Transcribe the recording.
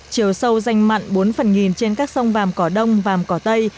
chiều sâu danh mặn bốn phần nghìn trên các sông vàm cỏ đông vàm cỏ tây